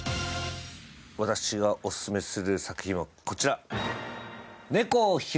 私がオススメする作品はこちら。